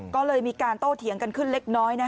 ก็เลยมีการโต้เถียงกันขึ้นเล็กน้อย